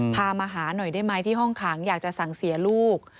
พามาหาหน่อยได้ไหมที่ห้องขังอยากจะสั่งเสียลูก